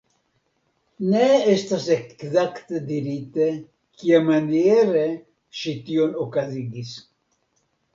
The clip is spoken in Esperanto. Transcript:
Ne estas ekzakte dirite kiamaniere ŝi tion okazigis.